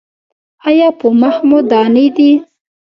ایا په مخ مو دانې دي؟